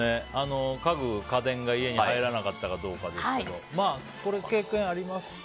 家具・家電が家に入らなかったかどうかですが経験ありますか？